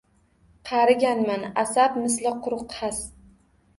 Qariganman, asab misli quruq xas